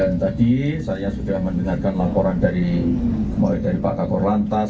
dan tadi saya sudah mendengarkan laporan dari pak kakor lantas